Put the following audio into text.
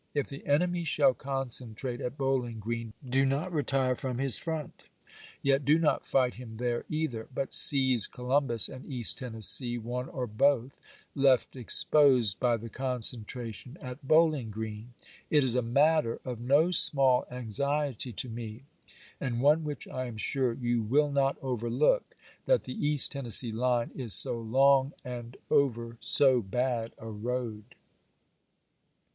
If the enemy shall concentrate at Bowling Green do not retire from his front, yet do not fight him there either, but seize Columbus and East Tennessee, one or both, left exposed i incoin to ^J ^^® Concentration at Bowling Green. It is a matter Biieii, of no small anxiety to me, and one which I am sure you 1862. "w. R. wiU not overlook, that the East Tennessee line is so long VoL VII., J 1, J 1 pp. 928, 929. and over so bad a road.